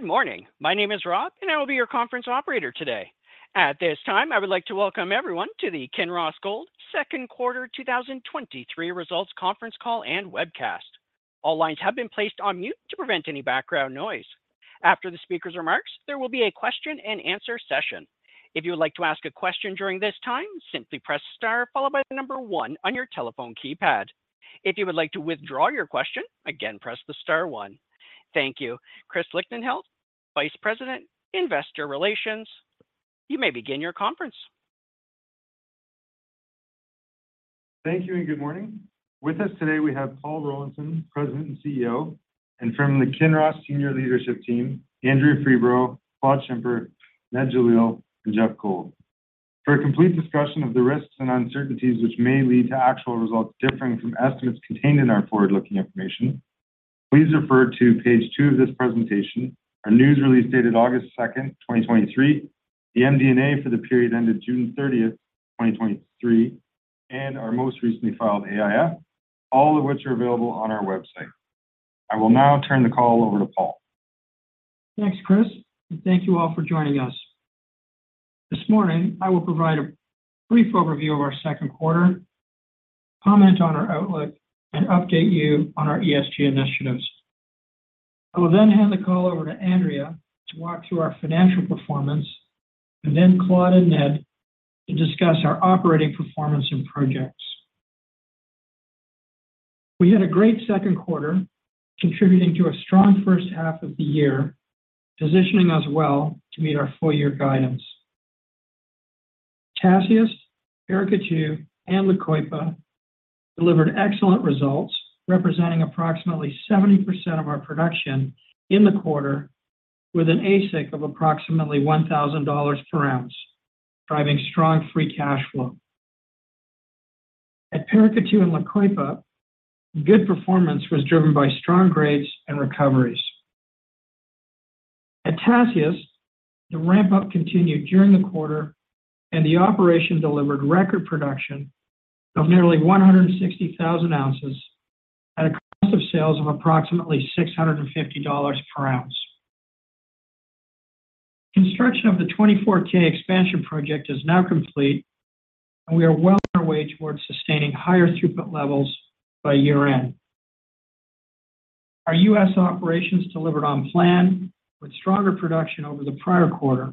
Good morning. My name is Rob, and I will be your conference operator today. At this time, I would like to welcome everyone to the Kinross Gold second quarter 2023 results conference call and webcast. All lines have been placed on mute to prevent any background noise. After the speaker's remarks, there will be a question-and-answer session. If you would like to ask a question during this time, simply press star one on your telephone keypad. If you would like to withdraw your question, again, press the star one. Thank you. Chris Lichtenheldt, Vice President, Investor Relations, you may begin your conference. Thank you, and good morning. With us today, we have Paul Rollinson, President and Chief Executive Officer, and from the Kinross senior leadership team, Andrea Freeborough, Claude Schimper, Ned Jalil, and Geoff Gold. For a complete discussion of the risks and uncertainties which may lead to actual results differing from estimates contained in our forward-looking information, please refer to page two of this presentation, our news release dated August 2, 2023, the MD&A for the period ended June 30, 2023, and our most recently filed AIF, all of which are available on our website. I will now turn the call over to Paul. Thanks, Chris, and thank you all for joining us. This morning, I will provide a brief overview of our second quarter, comment on our outlook, and update you on our ESG initiatives. I will then hand the call over to Andrea Freeborough to walk through our financial performance, and then Claude Schimper and Ned Jalil to discuss our operating performance and projects. We had a great second quarter, contributing to a strong first half of the year, positioning us well to meet our full year guidance. Tasiast, Paracatu, and La Coipa delivered excellent results, representing approximately 70% of our production in the quarter, with an AISC of approximately $1,000 per ounce, driving strong free cash flow. At Paracatu and La Coipa, good performance was driven by strong grades and recoveries. At Tasiast, the ramp-up continued during the quarter, and the operation delivered record production of nearly 160,000 ounces at a cost of sales of approximately $650 per ounce. Construction of the 24K expansion project is now complete, and we are well on our way towards sustaining higher throughput levels by year-end. Our U.S. operations delivered on plan with stronger production over the prior quarter.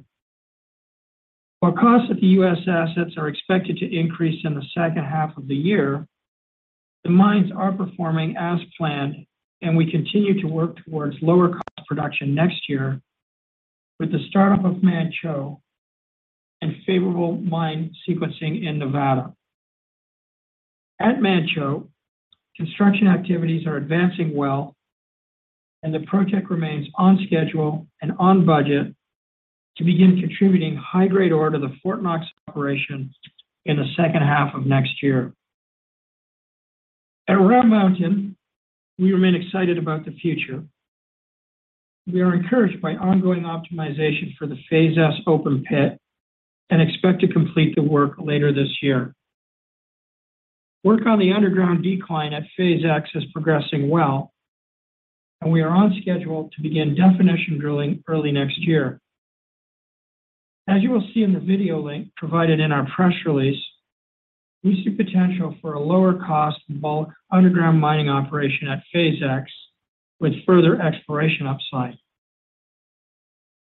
While costs at the U.S. assets are expected to increase in the second half of the year, the mines are performing as planned, and we continue to work towards lower cost production next year with the start-up of Manh Choh and favorable mine sequencing in Nevada. At Manh Choh, construction activities are advancing well, and the project remains on schedule and on budget to begin contributing high-grade ore to the Fort Knox operation in the second half of next year. At Round Mountain, we remain excited about the future. We are encouraged by ongoing optimization for the Phase S open pit and expect to complete the work later this year. Work on the underground decline at Phase X is progressing well, and we are on schedule to begin definition drilling early next year. As you will see in the video link provided in our press release, we see potential for a lower cost bulk underground mining operation at Phase X with further exploration upside.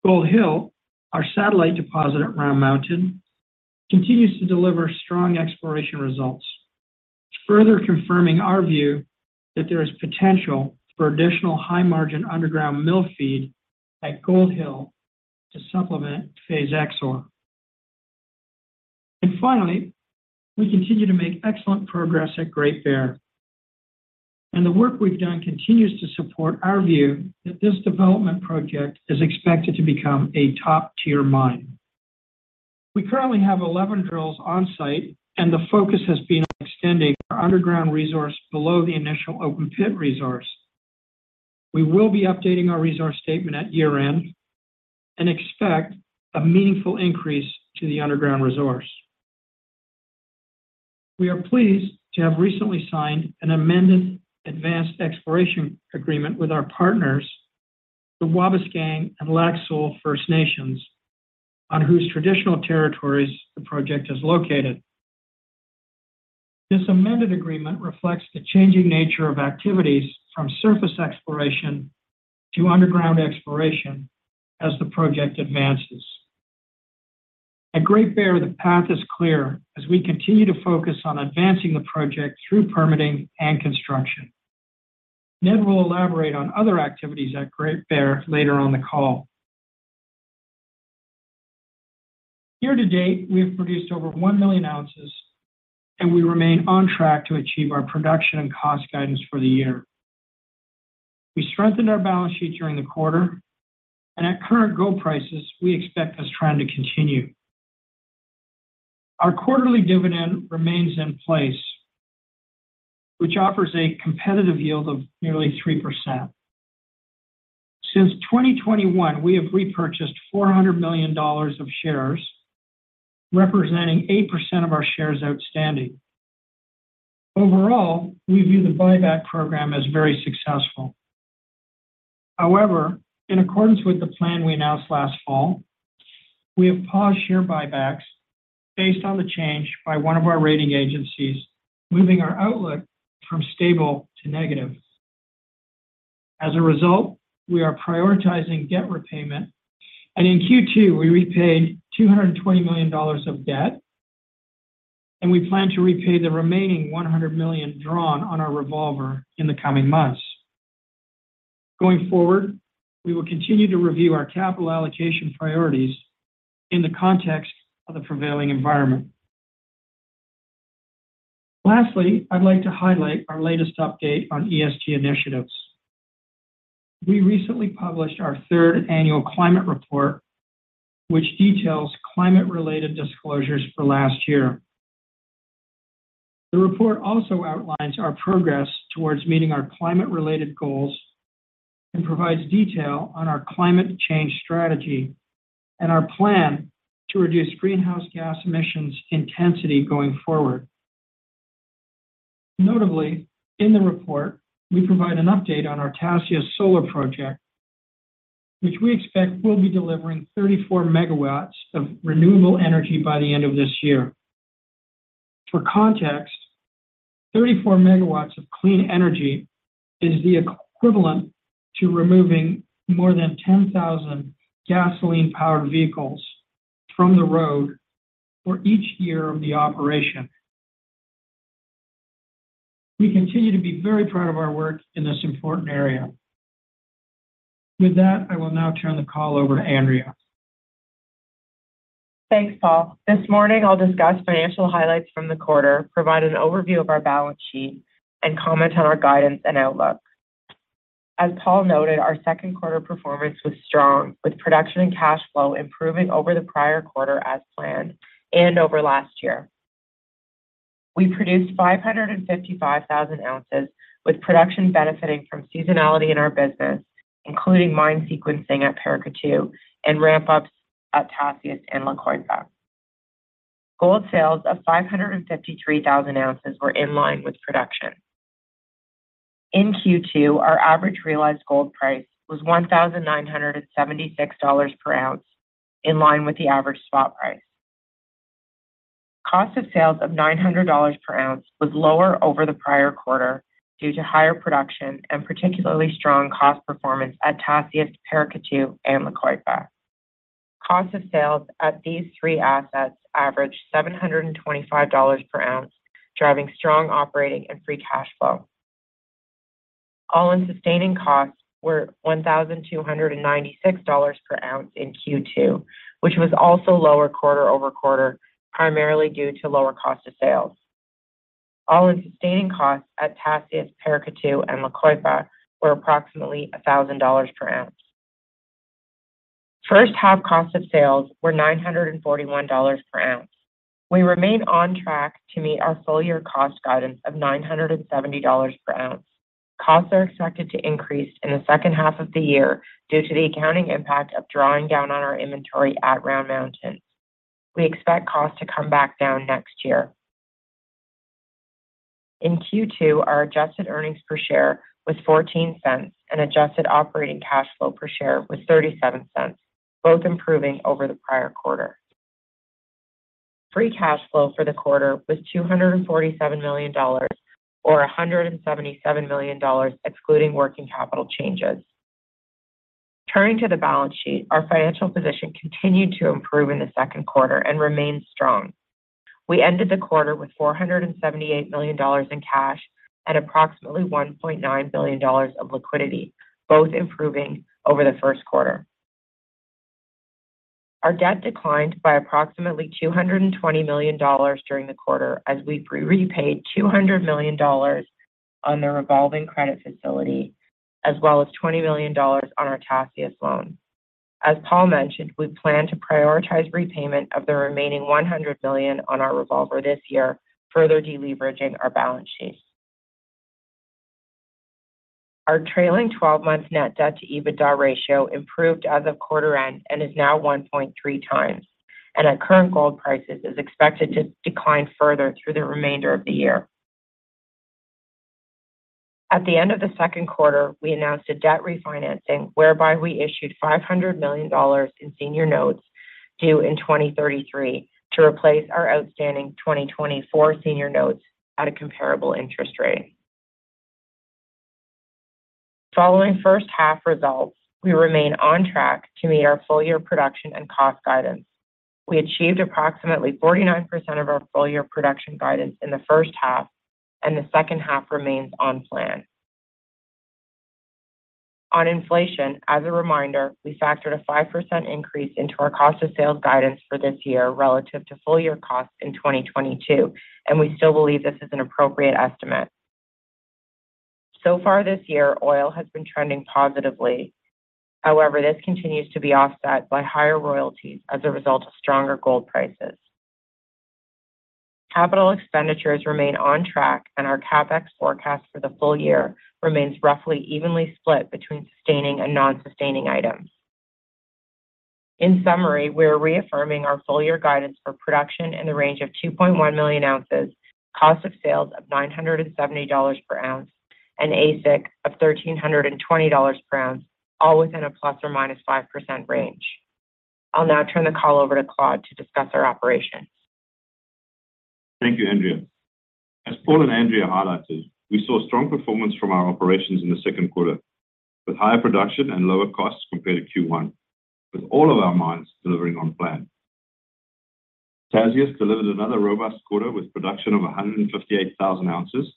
Gold Hill, our satellite deposit at Round Mountain, continues to deliver strong exploration results, further confirming our view that there is potential for additional high-margin underground mill feed at Gold Hill to supplement Phase X ore. Finally, we continue to make excellent progress at Great Bear, and the work we've done continues to support our view that this development project is expected to become a top-tier mine. We currently have 11 drills on site, and the focus has been on extending our underground resource below the initial open pit resource. We will be updating our resource statement at year-end and expect a meaningful increase to the underground resource. We are pleased to have recently signed an amended advanced exploration agreement with our partners, the Wabauskang and Lac Seul First Nation, on whose traditional territories the project is located. This amended agreement reflects the changing nature of activities from surface exploration to underground exploration as the project advances. At Great Bear, the path is clear as we continue to focus on advancing the project through permitting and construction. Ned will elaborate on other activities at Great Bear later on the call. Year to date, we have produced over 1 million ounces, and we remain on track to achieve our production and cost guidance for the year. We strengthened our balance sheet during the quarter, and at current gold prices, we expect this trend to continue. Our quarterly dividend remains in place, which offers a competitive yield of nearly 3%. Since 2021, we have repurchased $400 million of shares, representing 8% of our shares outstanding. Overall, we view the buyback program as very successful. However, in accordance with the plan we announced last fall, we have paused share buybacks based on the change by one of our rating agencies, moving our outlook from stable to negative. As a result, we are prioritizing debt repayment, and in Q2, we repaid $220 million of debt, and we plan to repay the remaining $100 million drawn on our revolver in the coming months. Going forward, we will continue to review our capital allocation priorities in the context of the prevailing environment. Lastly, I'd like to highlight our latest update on ESG initiatives. We recently published our third annual climate report, which details climate-related disclosures for last year. The report also outlines our progress towards meeting our climate-related goals and provides detail on our climate change strategy and our plan to reduce greenhouse gas emissions intensity going forward. Notably, in the report, we provide an update on our Tasiast Solar project, which we expect will be delivering 34 MW of renewable energy by the end of this year. For context, 34 MW of clean energy is the equivalent to removing more than 10,000 gasoline-powered vehicles from the road for each year of the operation. We continue to be very proud of our work in this important area. With that, I will now turn the call over to Andrea. Thanks, Paul. This morning I'll discuss financial highlights from the quarter, provide an overview of our balance sheet, and comment on our guidance and outlook. As Paul noted, our second quarter performance was strong, with production and cash flow improving over the prior quarter as planned and over last year. We produced 555,000 ounces, with production benefiting from seasonality in our business, including mine sequencing at Paracatu and ramp-ups at Tasiast and La Coipa. Gold sales of 553,000 ounces were in line with production. In Q2, our average realized gold price was $1,976 per ounce, in line with the average spot price. Cost of sales of $900 per ounce was lower over the prior quarter due to higher production and particularly strong cost performance at Tasiast, Paracatu, and La Coipa. Cost of sales at these three assets averaged $725 per ounce, driving strong operating and free cash flow. All-in sustaining costs were $1,296 per ounce in Q2, which was also lower quarter-over-quarter, primarily due to lower cost of sales. All-in sustaining costs at Tasiast, Paracatu, and La Coipa were approximately $1,000 per ounce. First half cost of sales were $941 per ounce. We remain on track to meet our full-year cost guidance of $970 per ounce. Costs are expected to increase in the second half of the year due to the accounting impact of drawing down on our inventory at Round Mountain. We expect costs to come back down next year. In Q2, our adjusted earnings per share was $0.14, adjusted operating cash flow per share was $0.37, both improving over the prior quarter. Free cash flow for the quarter was $247 million, or $177 million, excluding working capital changes. Turning to the balance sheet, our financial position continued to improve in the second quarter and remains strong. We ended the quarter with $478 million in cash and approximately $1.9 billion of liquidity, both improving over the first quarter. Our debt declined by approximately $220 million during the quarter as we pre-repaid $200 million on the revolving credit facility, as well as $20 million on our Tasiast loan. As Paul mentioned, we plan to prioritize repayment of the remaining $100 million on our revolver this year, further deleveraging our balance sheet. Our trailing twelve-month net debt to EBITDA ratio improved as of quarter end and is now 1.3 times, and at current gold prices, is expected to decline further through the remainder of the year. At the end of the second quarter, we announced a debt refinancing whereby we issued $500 million in senior notes due in 2033 to replace our outstanding 2024 senior notes at a comparable interest rate. Following first half results, we remain on track to meet our full-year production and cost guidance. We achieved approximately 49% of our full-year production guidance in the first half, and the second half remains on plan. On inflation, as a reminder, we factored a 5% increase into our cost of sales guidance for this year relative to full-year costs in 2022, and we still believe this is an appropriate estimate. Far this year, oil has been trending positively. However, this continues to be offset by higher royalties as a result of stronger gold prices. Capital expenditures remain on track, and our CapEx forecast for the full year remains roughly evenly split between sustaining and non-sustaining items. In summary, we are reaffirming our full year guidance for production in the range of 2.1 million ounces, cost of sales of $970 per ounce, and AISC of $1,320 per ounce, all within a ±5% range. I'll now turn the call over to Claude to discuss our operations. Thank you, Andrea. As Paul and Andrea highlighted, we saw strong performance from our operations in the second quarter, with higher production and lower costs compared to Q1, with all of our mines delivering on plan. Tasiast delivered another robust quarter, with production of 158,000 ounces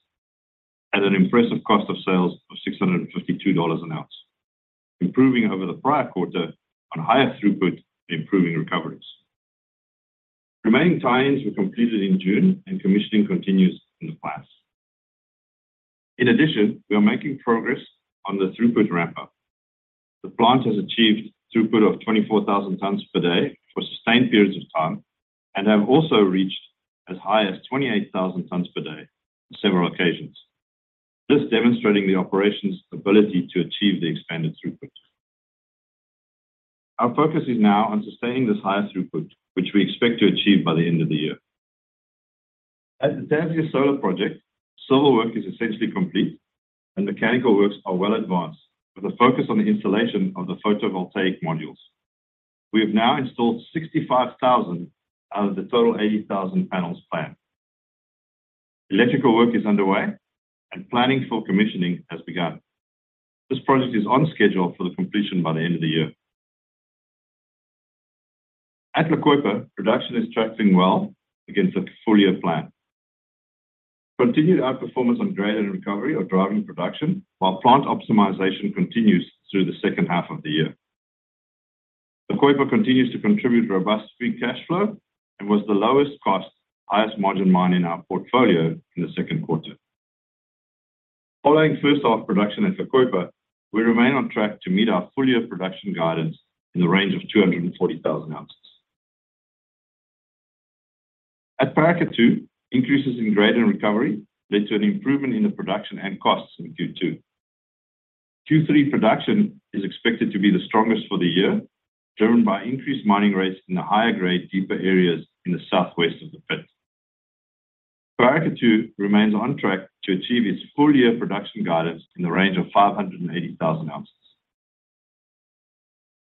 at an impressive cost of sales of $652 an ounce, improving over the prior quarter on higher throughput, improving recoveries. Remaining tie-ins were completed in June, and commissioning continues in the class. In addition, we are making progress on the throughput ramp-up. The plant has achieved throughput of 24,000 tons per day for sustained periods of time, and have also reached as high as 28,000 tons per day on several occasions. This demonstrating the operations' ability to achieve the expanded throughput. Our focus is now on sustaining this higher throughput, which we expect to achieve by the end of the year. At the Tasiast Solar Project, civil work is essentially complete and mechanical works are well advanced, with a focus on the installation of the photovoltaic modules. We have now installed 65,000 out of the total 80,000 panels planned. Electrical work is underway, and planning for commissioning has begun. This project is on schedule for the completion by the end of the year. At La Coipa, production is tracking well against the full-year plan. Continued outperformance on grade and recovery are driving production, while plant optimization continues through the second half of the year. La Coipa continues to contribute robust free cash flow and was the lowest cost, highest margin mine in our portfolio in the second quarter. Following first half production at La Coipa, we remain on track to meet our full year production guidance in the range of 240,000 ounces. At Paracatu, increases in grade and recovery led to an improvement in the production and costs in Q2. Q3 production is expected to be the strongest for the year, driven by increased mining rates in the higher grade, deeper areas in the southwest of the pit. Paracatu remains on track to achieve its full year production guidance in the range of 580,000 ounces.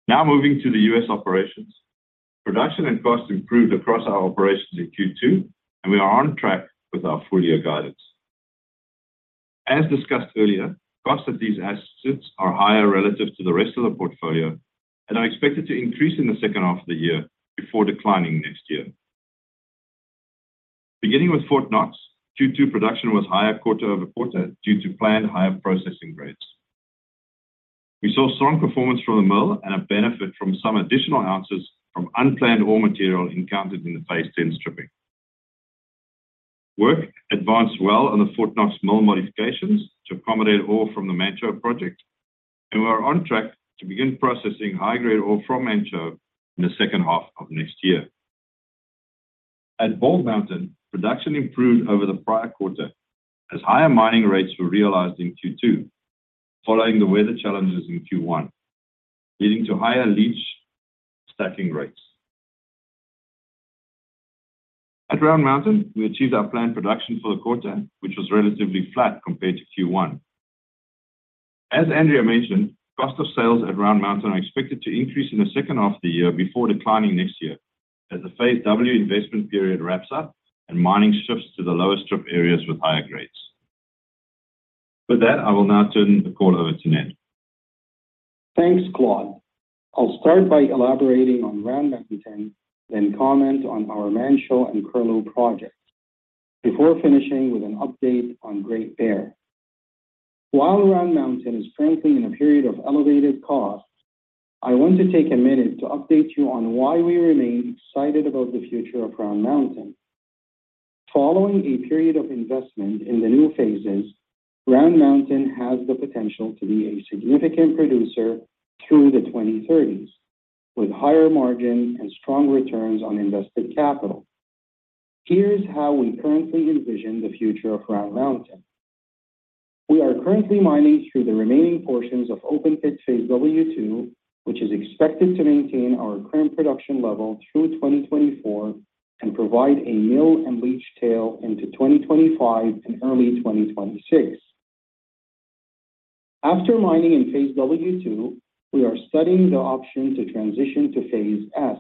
Now moving to the U.S. operations. Production and costs improved across our operations in Q2, and we are on track with our full year guidance. As discussed earlier, costs of these assets are higher relative to the rest of the portfolio and are expected to increase in the second half of the year before declining next year. Beginning with Fort Knox, Q2 production was higher quarter-over-quarter due to planned higher processing grades. We saw strong performance from the mill and a benefit from some additional ounces from unplanned ore material encountered in the Phase 10 stripping. Work advanced well on the Fort Knox mill modifications to accommodate ore from the Manh Choh project, and we are on track to begin processing high-grade ore from Manh Choh in the second half of next year. At Bald Mountain, production improved over the prior quarter as higher mining rates were realized in Q2, following the weather challenges in Q1, leading to higher leach stacking rates. At Round Mountain, we achieved our planned production for the quarter, which was relatively flat compared to Q1. As Andrea mentioned, cost of sales at Round Mountain are expected to increase in the second half of the year before declining next year, as the Phase W investment period wraps up and mining shifts to the lower strip areas with higher grades. With that, I will now turn the call over to Ned. Thanks, Claude. I'll start by elaborating on Round Mountain, then comment on our Manh Choh and Curlew projects, before finishing with an update on Great Bear. While Round Mountain is currently in a period of elevated costs, I want to take a minute to update you on why we remain excited about the future of Round Mountain. Following a period of investment in the new phases, Round Mountain has the potential to be a significant producer through the 2030s, with higher margin and strong returns on invested capital. Here's how we currently envision the future of Round Mountain. We are currently mining through the remaining portions of open pit Phase W2, which is expected to maintain our current production level through 2024 and provide a mill and leach tail into 2025 and early 2026. After mining in Phase W2, we are studying the option to transition to Phase S,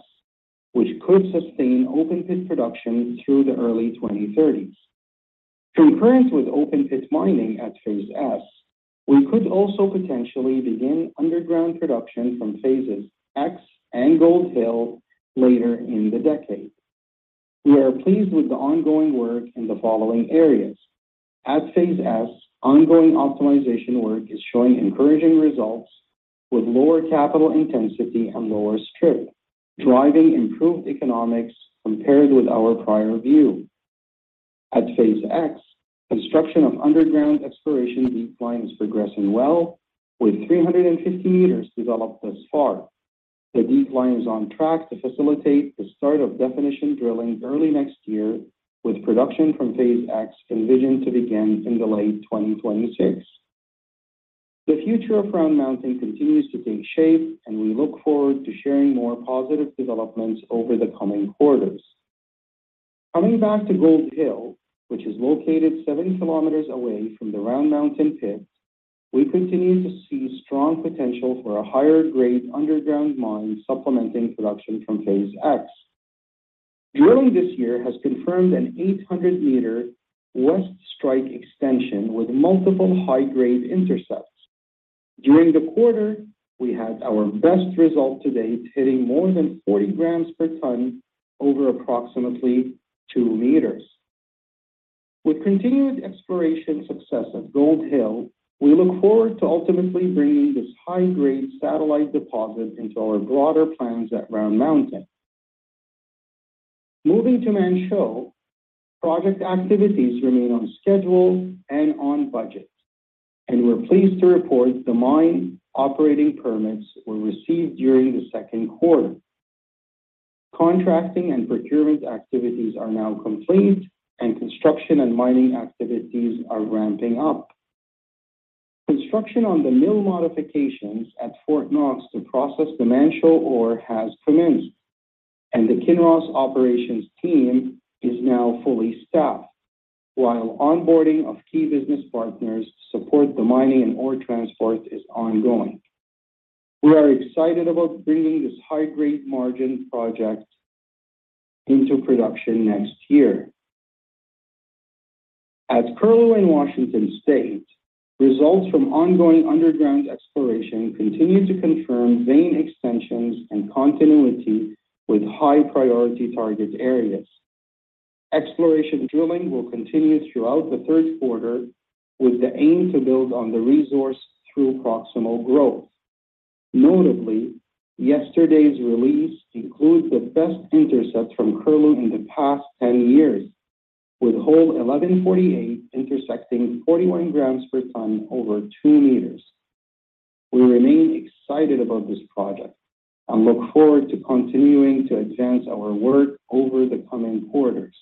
which could sustain open pit production through the early 2030s. Concurrent with open pit mining at Phase S, we could also potentially begin underground production from Phase X and Gold Hill later in the decade. We are pleased with the ongoing work in the following areas. At Phase S, ongoing optimization work is showing encouraging results with lower capital intensity and lower strip, driving improved economics compared with our prior view. At Phase X, construction of underground exploration deep decline is progressing well, with 350 m developed thus far. The deep decline is on track to facilitate the start of definition drilling early next year, with production from Phase X envisioned to begin in the late 2026. The future of Round Mountain continues to take shape, we look forward to sharing more positive developments over the coming quarters. Coming back to Gold Hill, which is located 70 km away from the Round Mountain pit, we continue to see strong potential for a higher-grade underground mine supplementing production from Phase X. Drilling this year has confirmed an 800-meter west strike extension with multiple high-grade intercepts. During the quarter, we had our best result to date, hitting more than 40 grams per tonne over approximately 2 meters. With continued exploration success at Gold Hill, we look forward to ultimately bringing this high-grade satellite deposit into our broader plans at Round Mountain. Moving to Manh Choh, project activities remain on schedule and on budget, and we're pleased to report the mine operating permits were received during the second quarter. Contracting and procurement activities are now complete, and construction and mining activities are ramping up. Construction on the mill modifications at Fort Knox to process the Manh Choh ore has commenced, and the Kinross operations team is now fully staffed, while onboarding of key business partners to support the mining and ore transport is ongoing. We are excited about bringing this high-grade margin project into production next year. At Curlew in Washington State, results from ongoing underground exploration continue to confirm vein extensions and continuity with high-priority target areas. Exploration drilling will continue throughout the third quarter, with the aim to build on the resource through proximal growth. Notably, yesterday's release includes the best intercept from Curlew in the past 10 years, with Hole 1148 intersecting 41 grams per tons over 2 meters. We remain excited about this project and look forward to continuing to advance our work over the coming quarters.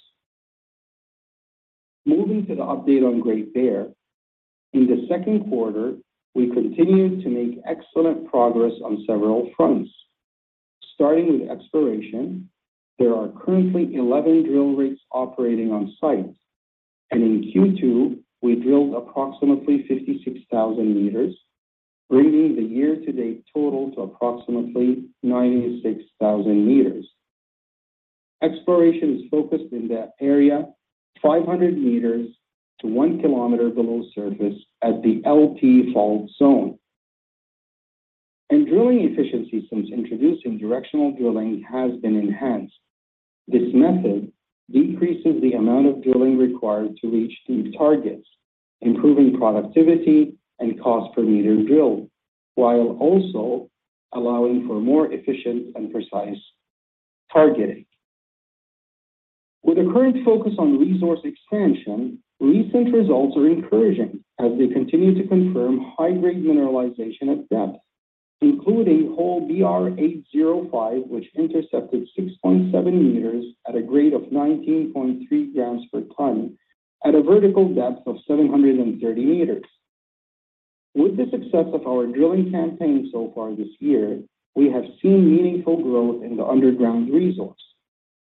Moving to the update on Great Bear, in the second quarter, we continued to make excellent progress on several fronts. Starting with exploration, there are currently 11 drill rigs operating on site, and in Q2, we drilled approximately 56,000 meters, bringing the year-to-date total to approximately 96,000 meters. Exploration is focused in the area, 500 meters to 1 km below surface at the LT fault zone. Drilling efficiency since introducing directional drilling has been enhanced. This method decreases the amount of drilling required to reach these targets, improving productivity and cost per meter drilled, while also allowing for more efficient and precise targeting. With a current focus on resource expansion, recent results are encouraging as they continue to confirm high-grade mineralization at depth, including hole BR-805, which intercepted 6.7 meters at a grade of 19.3 grams per tonne at a vertical depth of 730 meters. With the success of our drilling campaign so far this year, we have seen meaningful growth in the underground resource.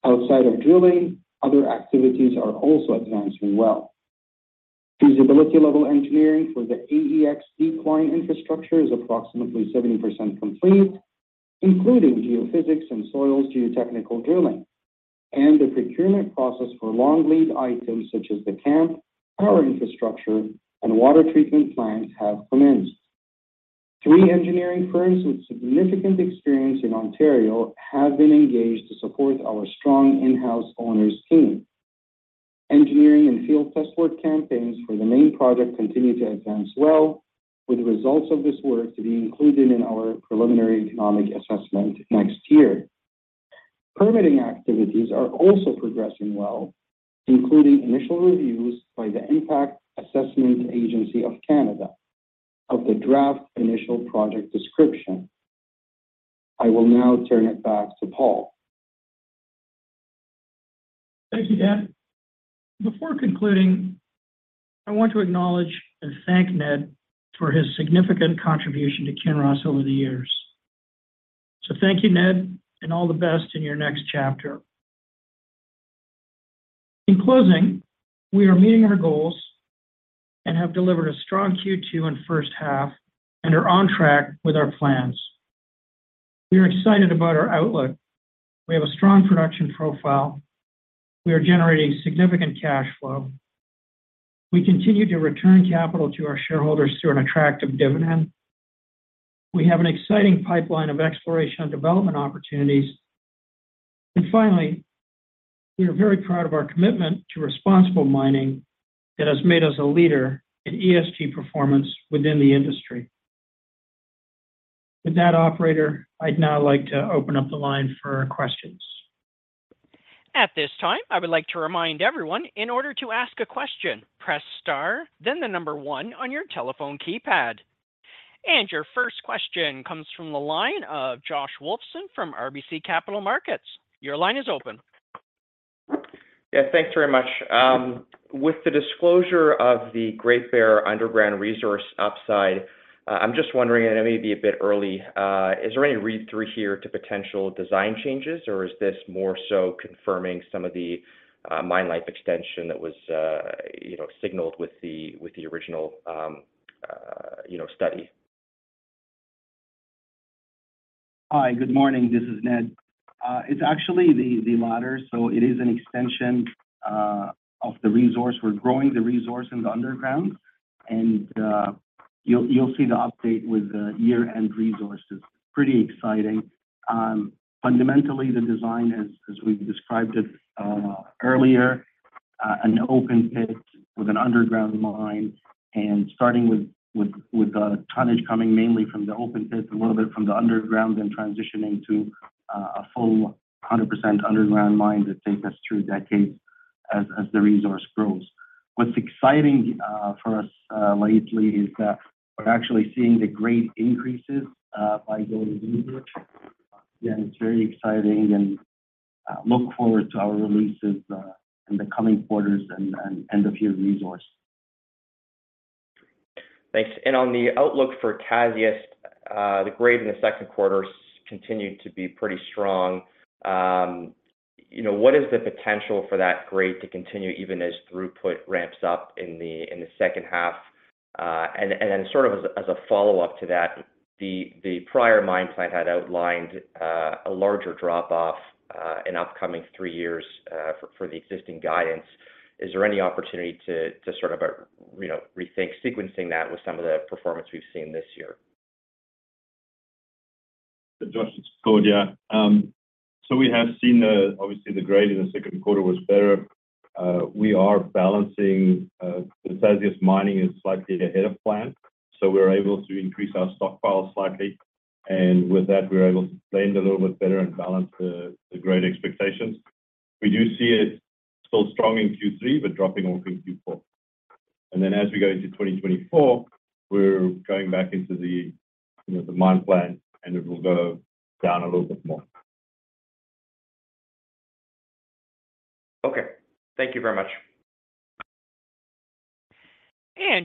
Outside of drilling, other activities are also advancing well. Feasibility level engineering for the AEX decline infrastructure is approximately 70% complete, including geophysics and soils geotechnical drilling, and the procurement process for long lead items such as the camp, power infrastructure, and water treatment plants have commenced. Three engineering firms with significant experience in Ontario have been engaged to support our strong in-house owners team. Engineering and field test work campaigns for the main project continue to advance well, with results of this work to be included in our Preliminary Economic Assessment next year. Permitting activities are also progressing well, including initial reviews by the Impact Assessment Agency of Canada of the draft initial project description. I will now turn it back to Paul. Thank you, Ned. Before concluding, I want to acknowledge and thank Ned for his significant contribution to Kinross over the years. Thank you, Ned, and all the best in your next chapter. In closing, we are meeting our goals and have delivered a strong Q2 and first half and are on track with our plans. We are excited about our outlook. We have a strong production profile. We are generating significant cash flow. We continue to return capital to our shareholders through an attractive dividend. We have an exciting pipeline of exploration and development opportunities. Finally, we are very proud of our commitment to responsible mining that has made us a leader in ESG performance within the industry. With that, operator, I'd now like to open up the line for questions. At this time, I would like to remind everyone, in order to ask a question, press star, then one on your telephone keypad. Your first question comes from the line of Josh Wolfson from RBC Capital Markets. Your line is open. Yeah, thanks very much. With the disclosure of the Great Bear underground resource upside, I'm just wondering, and it may be a bit early, is there any read through here to potential design changes, or is this more so confirming some of the mine life extension that was, you know, signaled with the, with the original, you know, study? Hi, good morning. This is Ned Jalil. It's actually the, the latter, so it is an extension of the resource. We're growing the resource in the underground, and you'll, you'll see the update with the year-end resources. Pretty exciting. Fundamentally, the design as, as we've described it earlier, an open pit with an underground mine, and starting with, with, with a tonnage coming mainly from the open pit, a little bit from the underground, then transitioning to a full 100% underground mine that take us through the decade as, as the resource grows. What's exciting for us lately is that we're actually seeing the grade increases by going forward. Yeah, it's very exciting, and look forward to our releases in the coming quarters and, and, end of year resource. Thanks. On the outlook for Tasiast, the grade in the second quarter continued to be pretty strong. You know, what is the potential for that grade to continue even as throughput ramps up in the second half? Then sort of as a follow-up to that, the prior mine site had outlined a larger drop-off in upcoming 3 years for the existing guidance. Is there any opportunity to sort of, you know, rethink sequencing that with some of the performance we've seen this year? Josh, it's Paul, yeah. We have seen the obviously, the grade in the second quarter was better. We are balancing the Tasiast mining is slightly ahead of plan, so we're able to increase our stockpile slightly, and with that, we're able to blend a little bit better and balance the grade expectations. We do see it still strong in Q3, but dropping off in Q4. As we go into 2024, we're going back into you know, the mine plan, and it will go down a little bit more. Okay, thank you very much.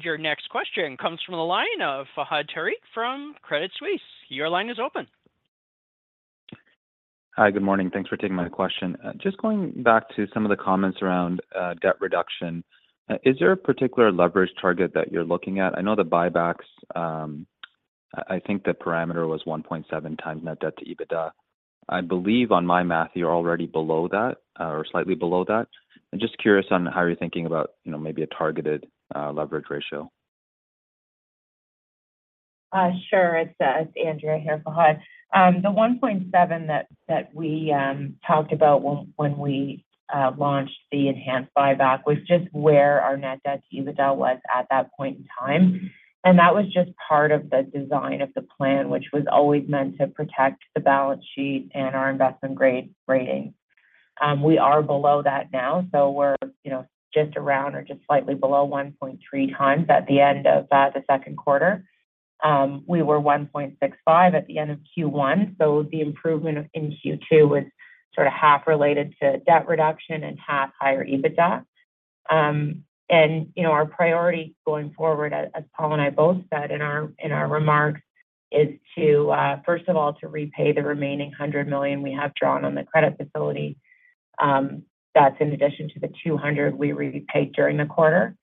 Your next question comes from the line of Fahad Tariq from Credit Suisse. Your line is open. Hi, good morning. Thanks for taking my question. Just going back to some of the comments around debt reduction, is there a particular leverage target that you're looking at? I know the buybacks, I, I think the parameter was 1.7x net debt to EBITDA. I believe on my math, you're already below that, or slightly below that. I'm just curious on how you're thinking about, you know, maybe a targeted leverage ratio. Sure. It's Andrea here, Fahad. The 1.7 that, that we talked about when, when we launched the enhanced buyback was just where our net debt to EBITDA was at that point in time. That was just part of the design of the plan, which was always meant to protect the balance sheet and our investment grade rating. We are below that now, so we're, you know, just around or just slightly below 1.3 times at the end of the second quarter. We were 1.65 at the end of Q1, so the improvement in Q2 was sort of half related to debt reduction and half higher EBITDA. You know, our priority going forward, as, as Paul and I both said in our, in our remarks, is to, first of all, to repay the remaining $100 million we have drawn on the credit facility. That's in addition to the $200 million we repaid during the quarter.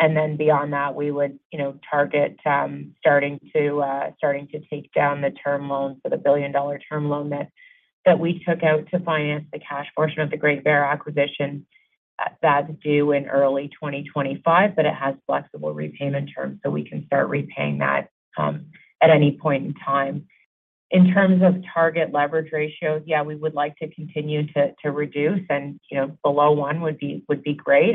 Then beyond that, we would, you know, target, starting to, starting to take down the term loan for the billion-dollar term loan that, that we took out to finance the cash portion of the Great Bear acquisition. That's due in early 2025, but it has flexible repayment terms, so we can start repaying that at any point in time. In terms of target leverage ratio, yeah, we would like to continue to, to reduce, and, you know, below one would be, would be great.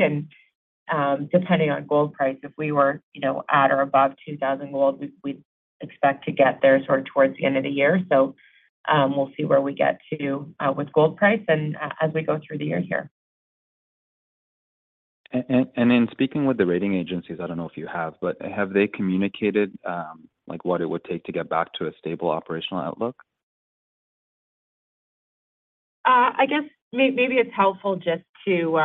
Depending on gold price, if we were, you know, at or above $2,000 gold, we, we'd expect to get there sort of towards the end of the year. We'll see where we get to with gold price and as we go through the year here. In speaking with the rating agencies, I don't know if you have, but have they communicated, like what it would take to get back to a stable operational outlook? I guess may- maybe it's helpful just to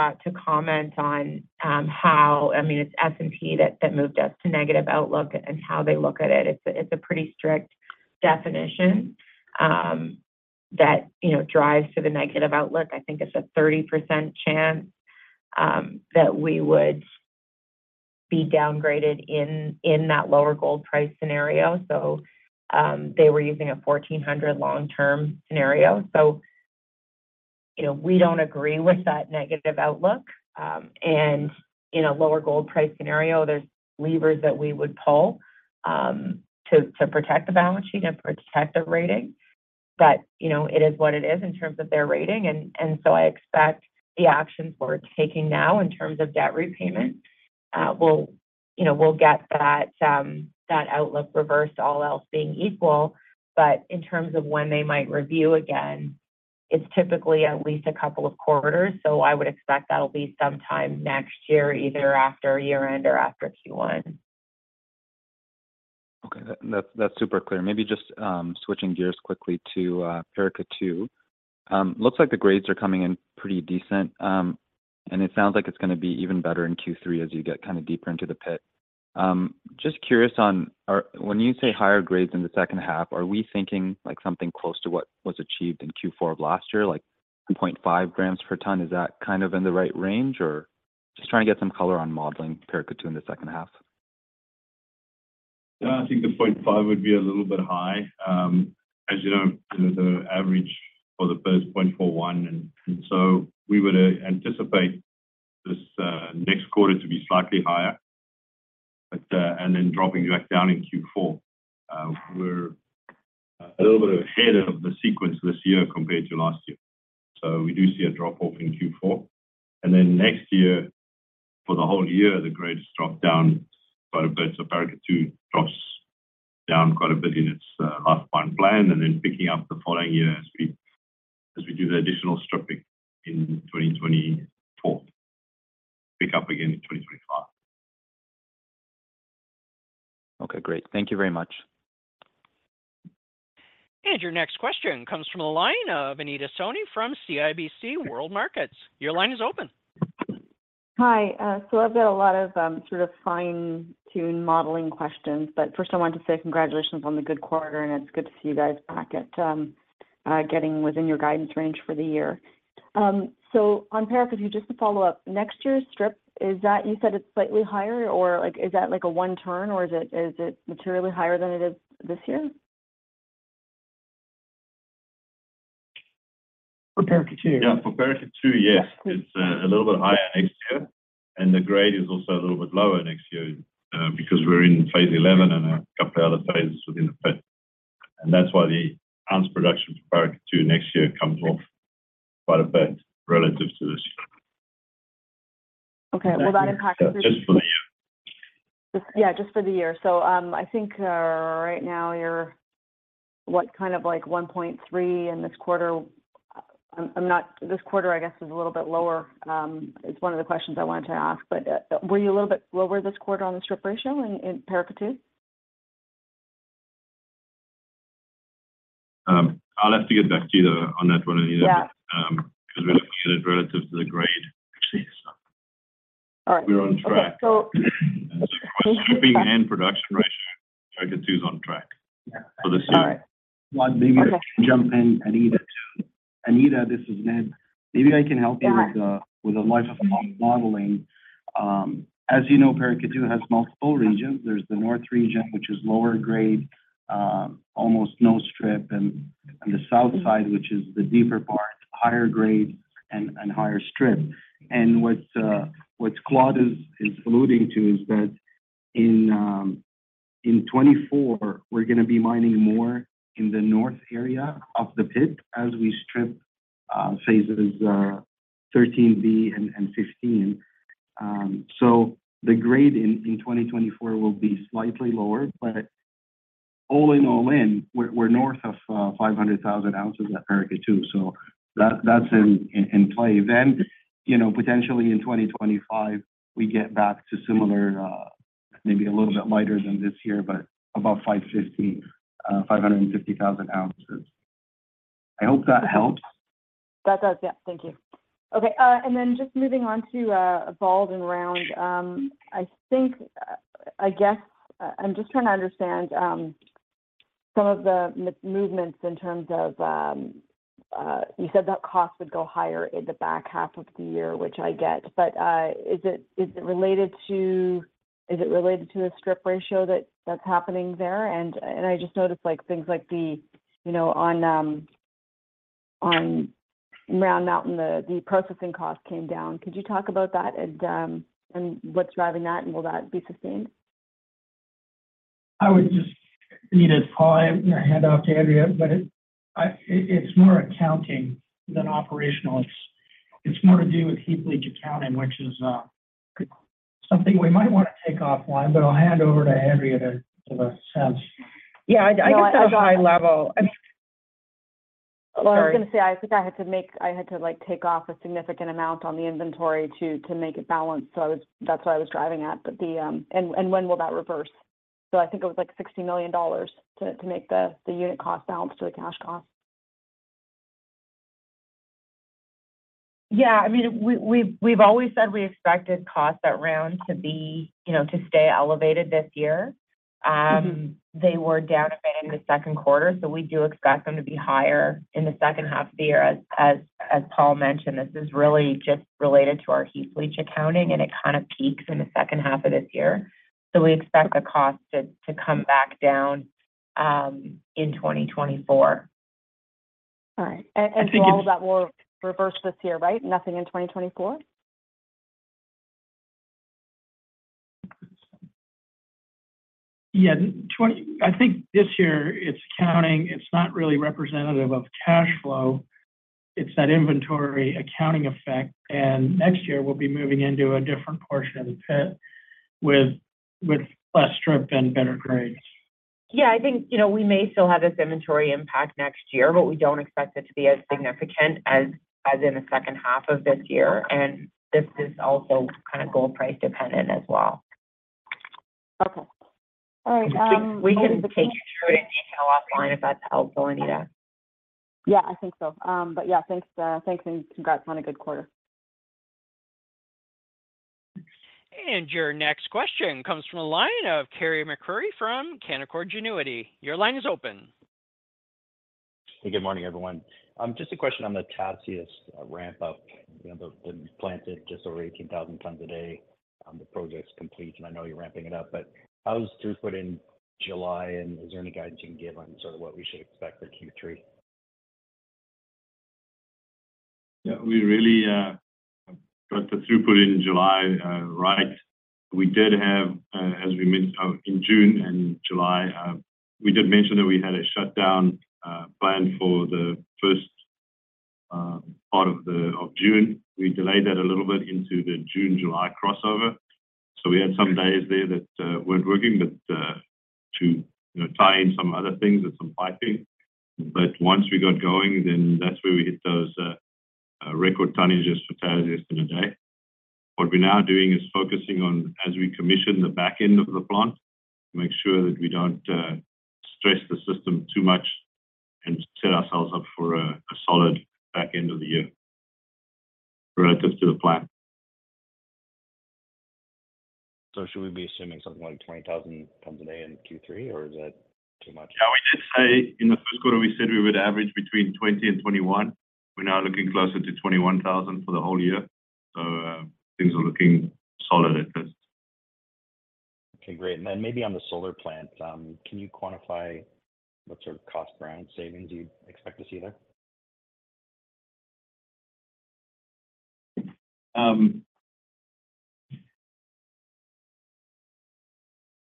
comment on how... I mean, it's S&P that moved us to negative outlook and how they look at it. It's a pretty strict definition that, you know, drives to the negative outlook. I think it's a 30% chance that we would be downgraded in that lower gold price scenario. They were using a $1,400 long-term scenario. You know, we don't agree with that negative outlook. In a lower gold price scenario, there's levers that we would pull to protect the balance sheet and protect the rating. You know, it is what it is in terms of their rating, and so I expect the actions we're taking now in terms of debt repayment, will, you know, will get that, that outlook reversed, all else being equal. In terms of when they might review again, it's typically at least quarters. I would expect that'll be sometime next year, either after year-end or after Q1. Okay, that, that's super clear. Maybe just switching gears quickly to Paracatu. Looks like the grades are coming in pretty decent, and it sounds like it's gonna be even better in Q3 as you get kind of deeper into the pit. Just curious on, when you say higher grades in the second half, are we thinking like something close to what was achieved in Q4 of last year, like 0.5 grams per ton? Is that kind of in the right range, or just trying to get some color on modeling Paracatu in the second half. Yeah, I think the 0.5 would be a little bit high. As you know, the average for the first 0.41, and so we would anticipate this next quarter to be slightly higher, but then dropping back down in Q4. We're a little bit ahead of the sequence this year compared to last year. We do see a drop off in Q4. Then next year, for the whole year, the grades drop down quite a bit. Paracatu drops down quite a bit in its life mine plan, and then picking up the following year as we do the additional stripping in 2024. Pick up again in 2025. Okay, great. Thank you very much. Your next question comes from the line of Anita Soni from CIBC World Markets. Your line is open. Hi, I've got a lot of sort of fine-tune modeling questions, but first I wanted to say congratulations on the good quarter, and it's good to see you guys back at getting within your guidance range for the year. On Paracatu, just to follow up, next year's strip, is that you said it's slightly higher, or like, is that like a one turn, or is it, is it materially higher than it is this year? For Paracatu? Yeah, for Paracatu, yes. It's a little bit higher next year, and the grade is also a little bit lower next year, because we're in Phase 11 and a couple of other phases within the pit. That's why the ounce production for Paracatu next year comes off quite a bit relative to this year. Okay, will that impact- Just for the year. Yeah, just for the year. I think, right now you're, what, kind of like 1.3 in this quarter. I'm, I'm not-- this quarter, I guess, is a little bit lower. It's one of the questions I wanted to ask, but, were you a little bit lower this quarter on the strip ratio in, in Paracatu? I'll have to get back to you though, on that one, Anita. Yeah. Because we look at it relative to the grade. All right. We're on track. So- Stripping and production ratio, Paracatu's on track for this year. All right. Claude, maybe I can jump in, Anita. Anita, this is Ned. Maybe I can help you- Yeah With the, with the life of modeling. As you know, Paracatu has multiple regions. There's the north region, which is lower grade, almost no strip, and, and the south side, which is the deeper part, higher grade and, and higher strip. What Claude is, is alluding to is that in 2024, we're gonna be mining more in the north area of the pit as we strip Phase 13B and Phase 15. The grade in 2024 will be slightly lower, but all in, all in, we're, we're north of 500,000 ounces at Paracatu, so that, that's in, in play. You know, potentially in 2025, we get back to similar, maybe a little bit lighter than this year, but about 550, 550,000 ounces. I hope that helps. That does. Yeah. Thank you. Okay, and then just moving on to Bald and Round. I think, I guess, I'm just trying to understand some of the m- movements in terms of, you said that cost would go higher in the back half of the year, which I get. Is it, is it related to, is it related to the strip ratio that, that's happening there? I just noticed, like, things like the, you know, on Round Mountain, the processing cost came down. Could you talk about that and what's driving that, and will that be sustained? I would just need a pie, hand off to Andrea, it's more accounting than operational. It's more to do with heap leach accounting, which is something we might want to take offline, I'll hand over to Andrea to give a sense. Yeah, I, I guess at a high level. Well, I was gonna say, I think I had to, like, take off a significant amount on the inventory to, to make it balance. That's what I was driving at, but the, and, and when will that reverse? I think it was like $60 million to, to make the, the unit cost balance to the cash cost. Yeah, I mean, we, we've, we've always said we expected costs at Round to be, you know, to stay elevated this year. They were down a bit in the second quarter. We do expect them to be higher in the second half of the year. As Paul mentioned, this is really just related to our heap leach accounting, and it kind of peaks in the second half of this year. We expect the cost to, to come back down, in 2024. All right. All that will reverse this year, right? Nothing in 2024? Yeah. I think this year it's accounting, it's not really representative of cash flow. It's that inventory accounting effect. Next year we'll be moving into a different portion of the pit with, with less strip and better grades. Yeah, I think, you know, we may still have this inventory impact next year, but we don't expect it to be as significant as, as in the second half of this year. This is also kind of gold price dependent as well. Okay. All right. We can, we can take you through it in detail offline, if that's helpful, Anita. Yeah, I think so. Yeah, thanks, thanks, and congrats on a good quarter. Your next question comes from the line of Carey MacRury from Canaccord Genuity. Your line is open. Hey, good morning, everyone. Just a question on the Tasiast ramp up. You know, the planted just over 18,000 tons a day, the project's complete, I know you're ramping it up, but how was throughput in July, is there any guidance you can give on sort of what we should expect for Q3? Yeah, we really got the throughput in July right. We did have, as we mentioned, in June and July, we did mention that we had a shutdown planned for the first part of the June. We delayed that a little bit into the June-July crossover. We had some days there that weren't working, to, you know, tie in some other things and some piping. Once we got going, then that's where we hit those record tonnages for Tasiast in a day. What we're now doing is focusing on, as we commission the back end of the plant, to make sure that we don't stress the system too much and set ourselves up for a solid back end of the year relative to the plan. Should we be assuming something like 20,000 tons a day in Q3, or is that too much? Yeah, we did say in the first quarter, we said we would average between 20 and 21. We're now looking closer to 21,000 for the whole year, so things are looking solid at best. Okay, great. Then maybe on the solar plant, can you quantify what sort of cost ground savings you'd expect to see there?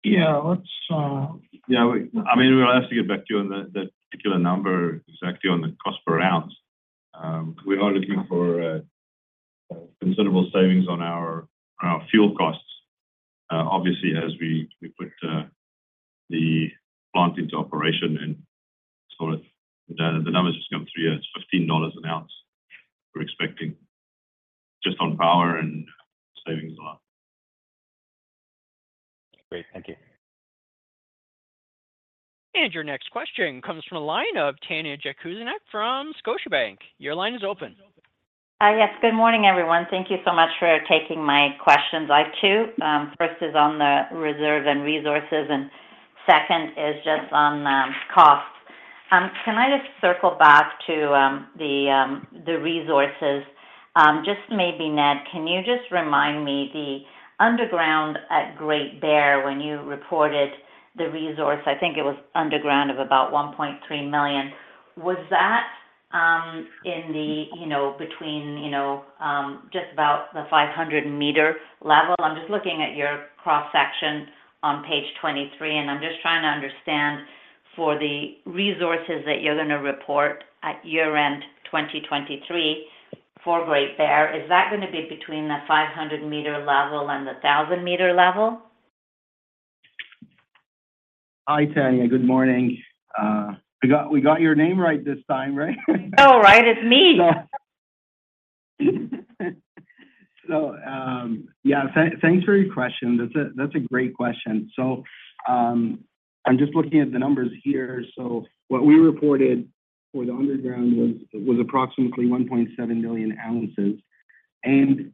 Yeah, let's. Yeah, I mean, we'll have to get back to you on that, that particular number, exactly on the cost per ounce. We are looking for considerable savings on our, on our fuel costs, obviously, as we, we put the plant into operation and sort of the, the numbers just come through as $15 an ounce. We're expecting just on power and savings a lot. Great. Thank you. Your next question comes from a line of Tanya Jakusconek from Scotiabank. Your line is open. Yes, good morning, everyone. Thank you so much for taking my questions. I have two. First is on the reserve and resources, and second is just on cost. Can I just circle back to the resources? Just maybe, Ned, can you just remind me the underground at Great Bear, when you reported the resource, I think it was underground of about 1.3 million, was that, in the, you know, between, you know, just about the 500 meter level? I'm just looking at your cross-section on page 23, and I'm just trying to understand for the resources that you're gonna report at year-end 2023 for Great Bear, is that gonna be between the 500 meter level and the 1,000-meter level? Hi, Tanya. Good morning. We got your name right this time, right? Oh, right, it's me! Yeah, thanks for your question. That's a great question. I'm just looking at the numbers here. What we reported for the underground was approximately 1.7 million ounces.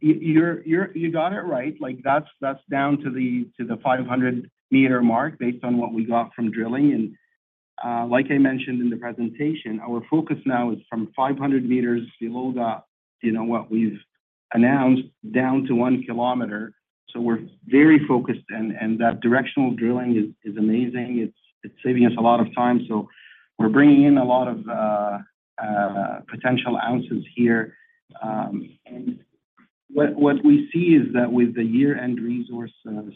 You got it right. Like, that's down to the 500 meter mark, based on what we got from drilling. Like I mentioned in the presentation, our focus now is from 500 meters below the, you know, what we've announced, down to 1 km. We're very focused, and that directional drilling is amazing. It's saving us a lot of time, so we're bringing in a lot of potential ounces here. What we see is that with the year-end resource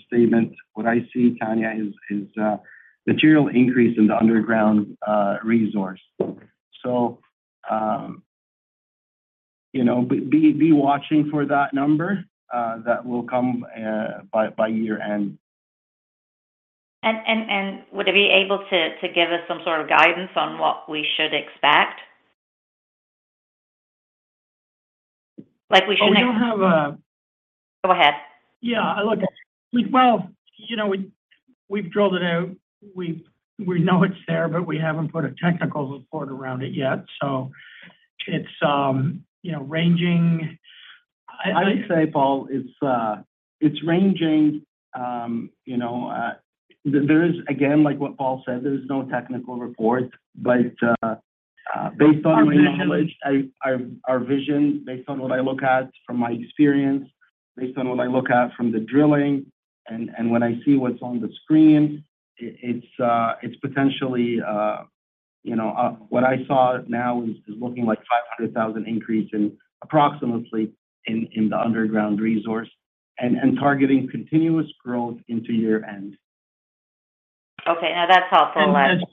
statement, what I see, Tanya, is a material increase in the underground resource. You know, be watching for that number that will come by year-end. would it be able to give us some sort of guidance on what we should expect? Like we should- We do have Go ahead. Yeah, look, we well, you know, we, we've drilled it out. We've, we know it's there, but we haven't put a technical report around it yet, so it's, you know, ranging, I would say, Paul, it's, it's ranging, you know, there is, again, like what Paul said, there is no technical report, but, based on our knowledge- Our vision. I, our, our vision, based on what I look at from my experience, based on what I look at from the drilling, and, and when I see what's on the screen, it, it's, it's potentially, you know, what I saw now is, is looking like 500,000 increase in, approximately in, in the underground resource and, and targeting continuous growth into year-end. Okay, now that's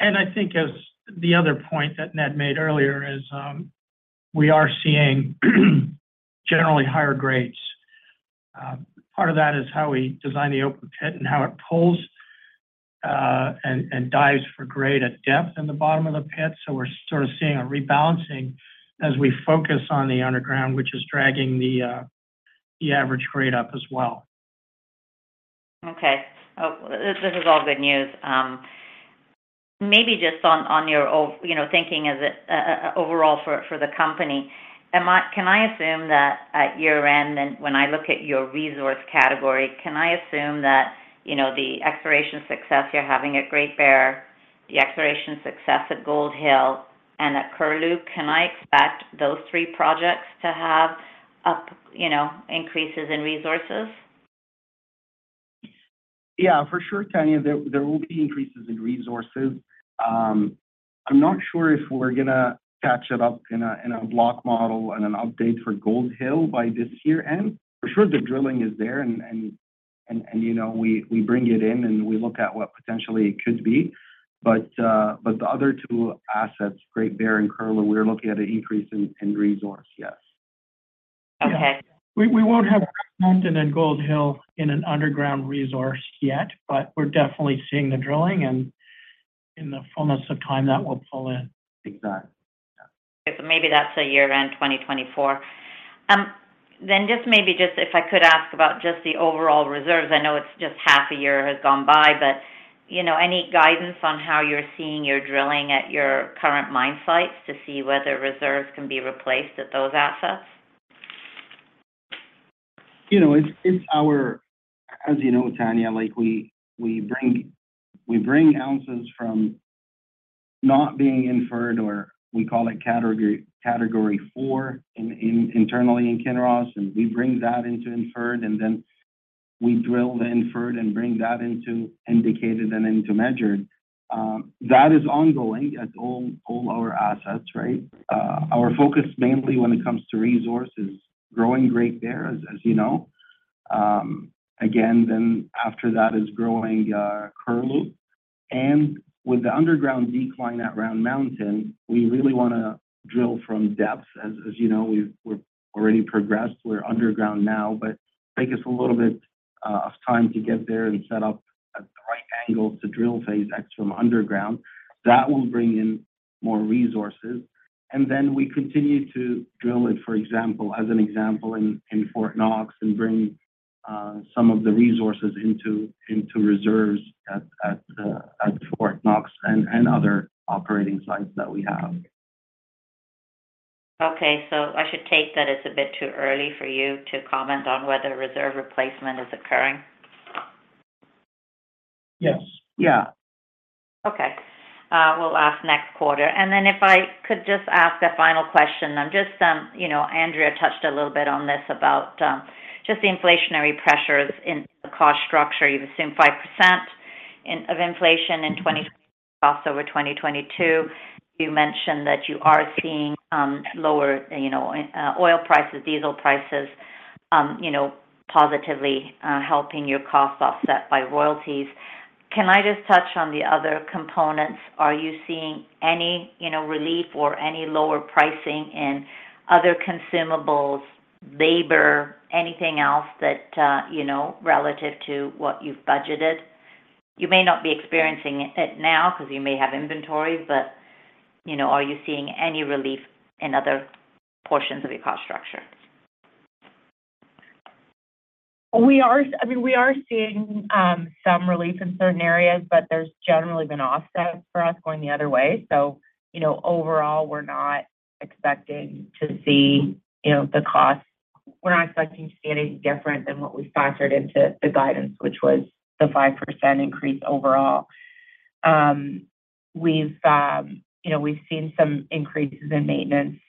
helpful. I think as the other point that Ned made earlier is, we are seeing generally higher grades. Part of that is how we design the open pit and how it pulls. And, and dives for grade at depth in the bottom of the pit. We're sort of seeing a rebalancing as we focus on the underground, which is dragging the average grade up as well. Okay. This, this is all good news. Maybe just on, on your own, you know, thinking as it, overall for, for the company, can I assume that at year-end, and when I look at your resource category, can I assume that, you know, the exploration success you're having at Great Bear, the exploration success at Gold Hill and at Curlew, can I expect those three projects to have up, you know, increases in resources? Yeah, for sure, Tanya. There, there will be increases in resources. I'm not sure if we're gonna catch it up in a block model and an update for Gold Hill by this year-end. For sure, the drilling is there and, you know, we bring it in, and we look at what potentially it could be. The other two assets, Great Bear and Curlew, we're looking at an increase in resource. Yes. Okay. We, we won't have Round Mountain and Gold Hill in an underground resource yet, but we're definitely seeing the drilling, and in the fullness of time, that will pull in. Maybe that's a year-end, 2024. Just maybe, just if I could ask about just the overall reserves. I know it's just half a year has gone by, but, you know, any guidance on how you're seeing your drilling at your current mine sites to see whether reserves can be replaced at those assets? You know, it's, it's our. As you know, Tanya, like we, we bring, we bring ounces from not being inferred, or we call it category, Category four in, in internally in Kinross, and we bring that into inferred, and then we drill the inferred and bring that into indicated and into measured. That is ongoing at all, all our assets, right? Our focus, mainly when it comes to resource, is growing Great Bear, as, as you know. Again, then after that is growing Curlew. With the underground decline at Round Mountain, we really wanna drill from depth. As, as you know, we're already progressed. We're underground now, but take us a little bit of time to get there and set up at the right angles to drill Phase X from underground. That will bring in more resources, and then we continue to drill it, for example, as an example, in, in Fort Knox and bring some of the resources into, into reserves at, at Fort Knox and, and other operating sites that we have. Okay. I should take that it's a bit too early for you to comment on whether reserve replacement is occurring? Yes. Okay. We'll ask next quarter. If I could just ask a final question, you know, Andrea touched a little bit on this, just the inflationary pressures in the cost structure. You've assumed 5% in, of inflation in 2024 costs over 2022. You mentioned that you are seeing, lower, you know, oil prices, diesel prices, you know, positively helping your costs offset by royalties. Can I just touch on the other components? Are you seeing any, you know, relief or any lower pricing in other consumables, labor, anything else that, you know, relative to what you've budgeted? You may not be experiencing it now because you may have inventory, you know, are you seeing any relief in other portions of your cost structure? We are-- I mean, we are seeing some relief in certain areas, but there's generally been offsets for us going the other way. You know, overall, we're not expecting to see, you know, the cost-- We're not expecting to see anything different than what we factored into the guidance, which was the 5% increase overall. We've, you know, we've seen some increases in maintenance,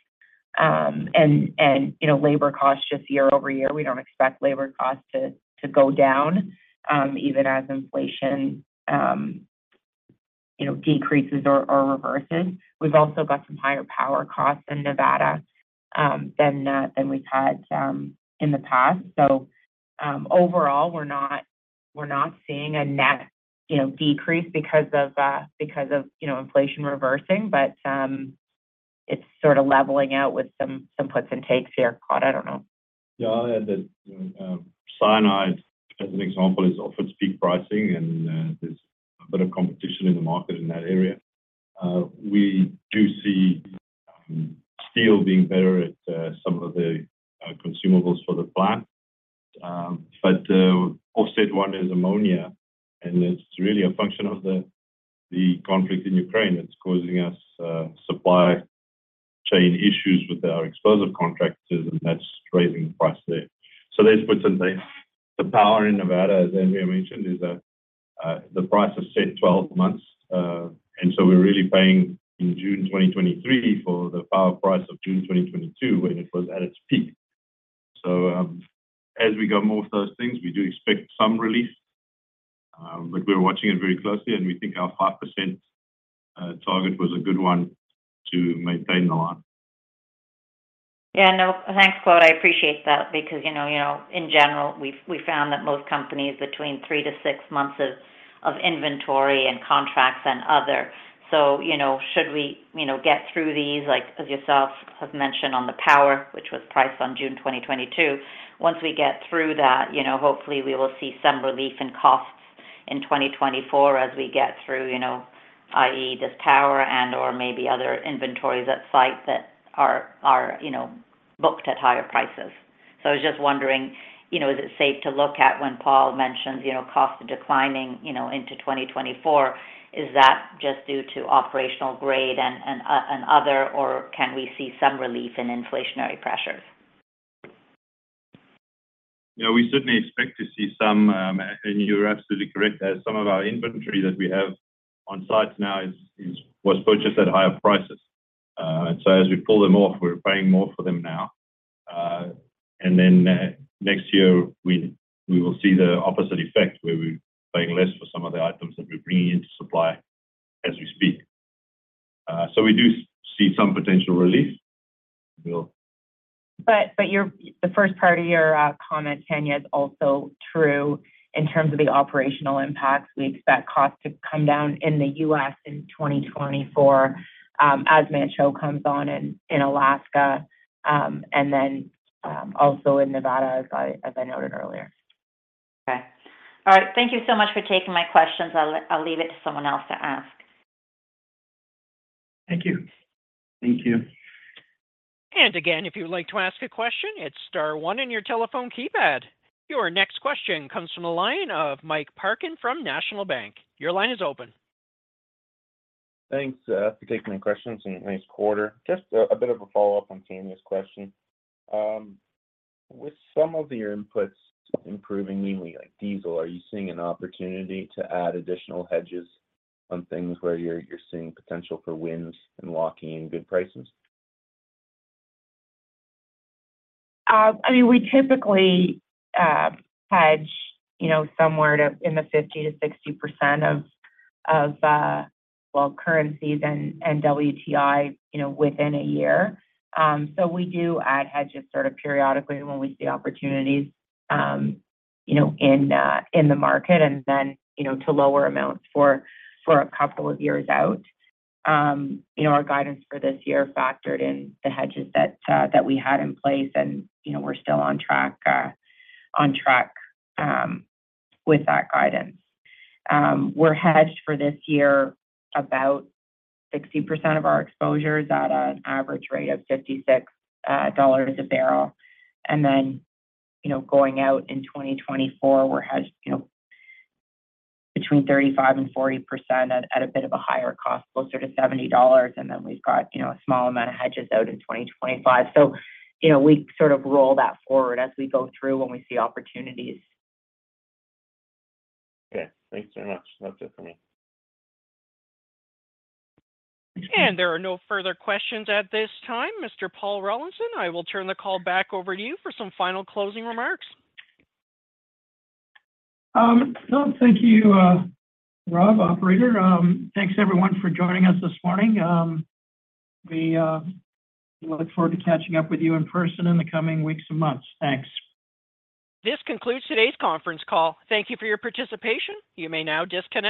and, and, you know, labor costs just year-over-year. We don't expect labor costs to, to go down, even as inflation, you know, decreases or, or reverses. We've also got some higher power costs in Nevada than we've had in the past. Overall, we're not, we're not seeing a net, you know, decrease because of, because of, you know, inflation reversing. It's sort of leveling out with some, some puts and takes here. Claude, I don't know. Yeah, I'll add that, cyanide, as an example, is off its peak pricing, and there's a bit of competition in the market in that area. We do see steel being better at some of the consumables for the plant. Offset one is ammonia, and it's really a function of the conflict in Ukraine that's causing us supply chain issues with our explosive contractors, and that's driving price there. There's puts and takes. The power in Nevada, as Andrea mentioned, is that the price is set 12 months. So we're really paying in June 2023 for the power price of June 2022, when it was at its peak. As we go more with those things, we do expect some relief, but we're watching it very closely, and we think our 5% target was a good one to maintain the line. Yeah, thanks, Claude. I appreciate that because, you know, you know, in general, we've, we've found that most companies between three to six months of, of inventory and contracts and other... you know, should we, you know, get through these, like, as yourself have mentioned on the power, which was priced on June 2022, once we get through that, you know, hopefully we will see some relief in costs in 2024 as we get through, you know, i.e., this power and/or maybe other inventories at site that are, are, you know, booked at higher prices. I was just wondering, you know, is it safe to look at when Paul mentions, you know, costs declining, you know, into 2024, is that just due to operational grade and, and other, or can we see some relief in inflationary pressures? Yeah, we certainly expect to see some, and you're absolutely correct that some of our inventory that we have on site now was purchased at higher prices. As we pull them off, we're paying more for them now. Next year, we, we will see the opposite effect, where we're paying less for some of the items that we're bringing into supply as we speak. We do see some potential relief. Your- the first part of your comment, Tanya, is also true in terms of the operational impacts. We expect costs to come down in the U.S. in 2024, as Manh Choh comes on in, in Alaska, and then also in Nevada, as I noted earlier. Okay. All right, thank you so much for taking my questions. I'll leave it to someone else to ask. Thank you. Thank you. Again, if you'd like to ask a question, it's star one in your telephone keypad. Your next question comes from the line of Mike Parkin from National Bank. Your line is open. Thanks for taking my questions, and nice quarter. Just a bit of a follow-up on Tanya's question. With some of your inputs improving, mainly like diesel, are you seeing an opportunity to add additional hedges on things where you're seeing potential for wins and locking in good prices? I mean, we typically hedge, you know, somewhere in the 50%-60% of, well, currencies and WTI, you know, within a year. We do add hedges sort of periodically when we see opportunities, you know, in the market, and then, you know, to lower amounts for a couple of years out. You know, our guidance for this year factored in the hedges that we had in place, and, you know, we're still on track with that guidance. We're hedged for this year about 60% of our exposure is at an average rate of $56 a bbl. You know, going out in 2024, we're hedged, you know, between 35% and 40% at, at a bit of a higher cost, closer to $70, and then we've got, you know, a small amount of hedges out in 2025. You know, we sort of roll that forward as we go through when we see opportunities. Okay, thanks very much. That's it for me. There are no further questions at this time. Mr. Paul Rollinson, I will turn the call back over to you for some final closing remarks. Well, thank you, Rob, operator. Thanks everyone for joining us this morning. We, we look forward to catching up with you in person in the coming weeks and months. Thanks. This concludes today's conference call. Thank you for your participation. You may now disconnect.